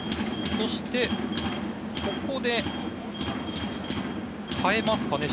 そして、ここで代えますかね。